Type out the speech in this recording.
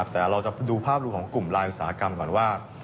แต่เราจะดูภาพรวมของกลุ่มลายอุตสาหกรรมก่อนว่า